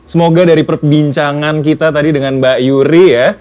semoga dari perbincangan kita tadi dengan mbak yuri ya